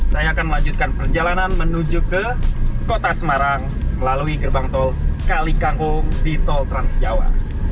saya akan melanjutkan perjalanan menuju ke kota semarang melalui gerbang tol kalikanggung di tol tras jawa